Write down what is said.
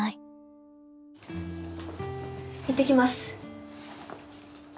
行ってきます。